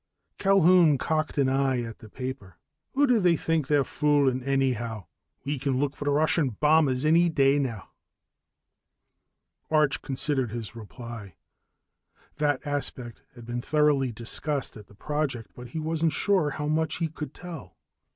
Culquhoun cocked an eye at the paper. "Who do they think they're fooling, anyhow? We can look for the Russian bombers any day now." Arch considered his reply. That aspect had been thoroughly discussed at the project, but he wasn't sure how much he could tell.